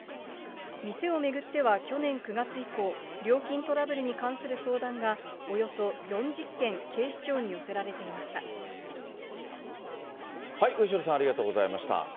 店を巡っては去年９月以降、料金トラブルに関する相談がおよそ４０件、警視庁に寄せられてい後呂さん、ありがとうございました。